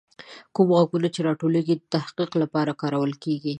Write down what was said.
کوم غږونه چې راټولیږي، د تحقیق لپاره کارول کیږي.